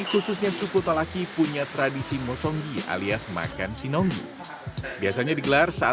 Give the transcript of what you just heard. khususnya suku talaki punya tradisi mosonggi alias makan sinonggi biasanya digelar saat